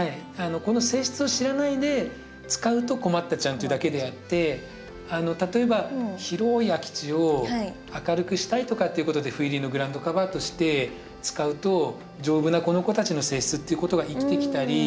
この性質を知らないで使うと困ったちゃんっていうだけであって例えば広い空き地を明るくしたいとかっていうことで斑入りのグラウンドカバーとして使うと丈夫なこの子たちの性質っていうことが生きてきたり